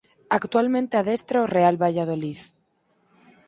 Actualmente adestra o Real Valladolid.